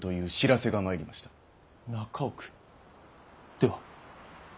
では！